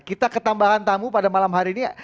kita ketambahan tamu pada malam hari ini